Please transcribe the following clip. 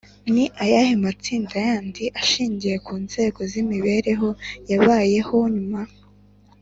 ni ayahe matsinda yandi ashingiye ku nzego z’imibereho yabayeho nyuma?